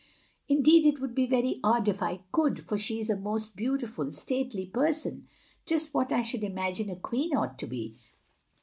"Indeed it would be very odd if I could, for she is a most beautiful, stately person, just what I should imagine a queen ought to be.